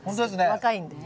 若いんでね。